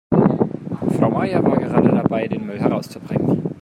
Frau Meier war gerade dabei, den Müll herauszubringen.